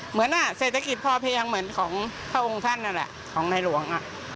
เหมือนเศรษฐกิจพอเพียงเหมือนของพระองค์ท่านนั่นแหละของในหลวง